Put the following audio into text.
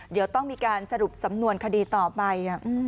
เดี๋ยวต้องมีการสรุปสำนวนคดีต่อไป